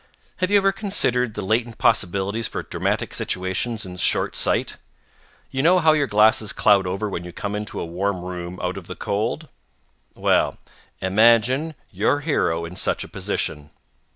Have you ever considered the latent possibilities for dramatic situations in short sight? You know how your glasses cloud over when you come into a warm room out of the cold? Well, imagine your hero in such a position.